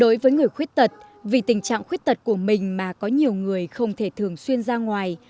đối với người khuyết tật vì tình trạng khuyết tật của mình mà có nhiều người không thể thường xuyên ra ngoài